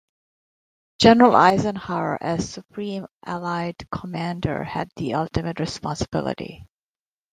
General Eisenhower, as Supreme Allied Commander, had the ultimate responsibility.